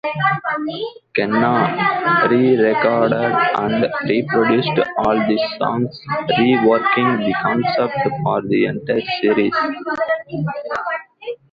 Kenna rerecorded and reproduced all the songs, reworking the concept for the entire series.